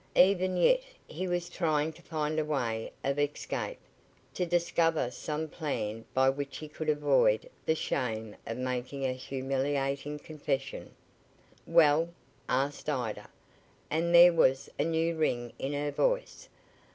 Even yet he was trying to find a way of escape to discover some plan by which he could avoid the shame of making a humiliating confession. "Well?" asked Ida, and there was a new ring in her voice.